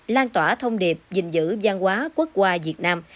lan tỏa thông điệp dình dữ gian hóa quốc qua việt nam